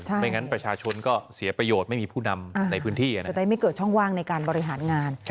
ไม่งั้นประชาชนก็เสียประโยชน์ไม่มีผู้นำในพื้นที่จะได้ไม่เกิดช่องว่างในการบริหารงาน